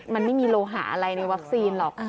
มันไม่มีโลหะอะไรในวัคซีนหรอก